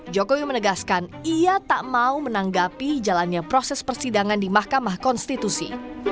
jokowi menegaskan ia tak mau menanggapi jalannya proses persidangan di mahkamah konstitusi